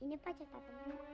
ini pak catet